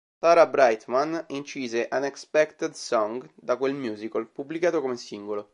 Sarah Brightman incise "Unexpected Song", da quel musical, pubblicato come singolo.